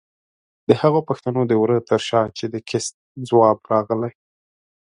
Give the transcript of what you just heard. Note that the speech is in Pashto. د هغو پښتنو د وره تر شا چې د کېست ځواب راغلی؛